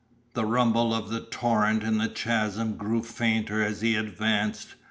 The rumble of the torrent in the chasm grew fainter as he advanced.